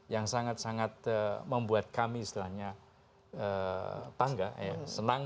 yang sangat sangat membuat kami istilahnya bangga ya